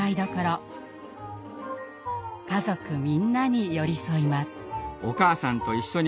家族みんなに寄り添います。